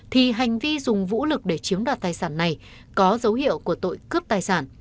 thì hành vi dùng vũ lực để chiếm đoạt tài sản này có dấu hiệu của tội cướp tài sản